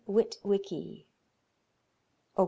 Witwicki; op.